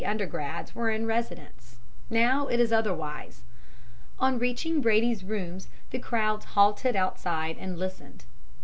undergrads were in residence now it is otherwise. On reaching Brady's rooms the crowd halted outside and listened.